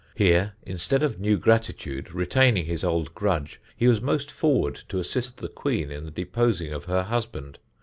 Here, instead of new Gratitude, retayning his old Grudge, he was most forward to assist the Queen in the deposing of her husband.